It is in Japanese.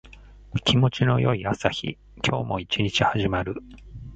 気持ちの良い朝日。今日も一日始まる。